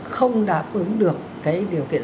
không đáp ứng được cái điều kiện